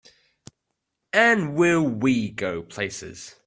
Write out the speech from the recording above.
And will we go places!